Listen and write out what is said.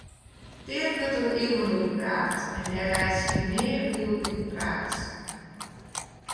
Dêr wurdt al iuwen oer praat en dêr reitsje we nea oer útpraat.